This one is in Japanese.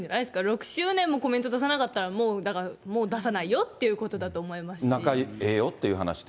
６周年もコメント出さなかったら、もうだから、もう出さないよとい仲ええよって話で。